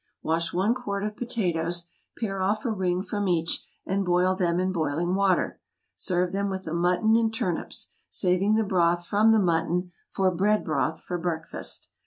Wash one quart of potatoes, pare off a ring from each, and boil them in boiling water. Serve them with the mutton and turnips, saving the broth from the mutton for BREAD BROTH for breakfast.